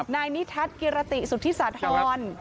นายนิทัศน์เกรียรติสุธิสาธรณ์